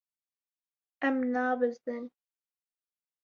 Em nabizdin.